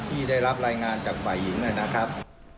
ที่ได้รับรายงานจากฝ่ายหญิงนะครับ